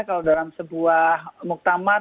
kalau dalam sebuah muktamar